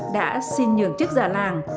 đã xin nhường chức già làng